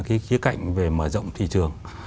cái khía cạnh về mở rộng thị trường